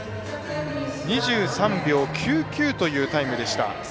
２３秒９９というタイムでした。